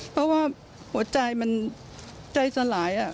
เพราะว่าหัวใจมันใจสลาย